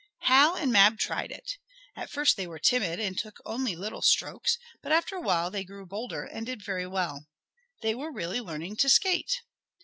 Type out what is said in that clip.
Hal and Mab tried it. At first they were timid, and only took little strokes, but, after a while, they grew bolder, and did very well. They were really learning to skate.